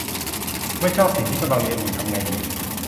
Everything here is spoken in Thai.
ไม่ชอบสิ่งที่กำลังเรียนอยู่ ทำไงดี